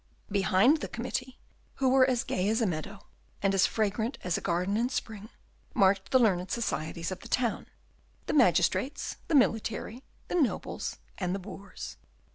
Behind the Committee, who were as gay as a meadow, and as fragrant as a garden in spring, marched the learned societies of the town, the magistrates, the military, the nobles and the boors.